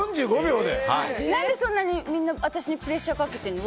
何で、そんな、みんな私にプレッシャーかけてるの？